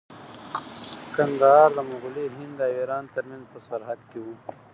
کندهار د مغلي هند او ایران ترمنځ په سرحد کې و.